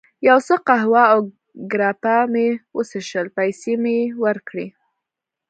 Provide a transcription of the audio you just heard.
یو څه قهوه او ګراپا مې وڅښل، پیسې مې یې ورکړې.